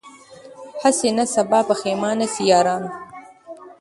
هسي نه سبا پښېمانه سی یارانو